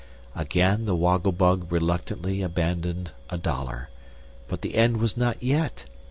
Again the Woggle Bug reluctantly abandoned a dollar; but the end was not yet.